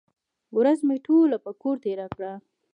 ورځ مې ټوله په کور تېره شوه.